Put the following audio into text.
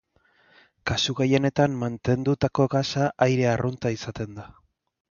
Kasu gehienetan mantendutako gasa aire arrunta izaten da.